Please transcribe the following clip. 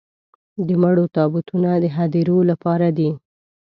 د مړو تابوتونه د هديرو لپاره دي.